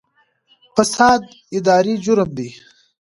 فساد اداري جرم دی